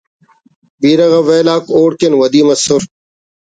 بیرہ غا ویل آک اوڑکن ودی مسر